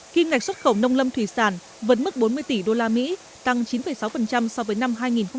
kim ngạch xuất khẩu nông lâm thủy sản vẫn mức bốn mươi tỷ usd tăng chín sáu so với năm hai nghìn một mươi bảy